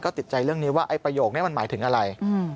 ติดใจเรื่องนี้ว่าไอ้ประโยคนี้มันหมายถึงอะไร